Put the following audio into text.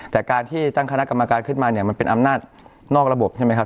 แต่การที่ตั้งคณะกรรมการขึ้นมาเนี่ยมันเป็นอำนาจนอกระบบใช่ไหมครับ